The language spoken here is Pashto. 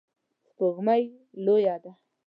سپوږمۍ لویه ده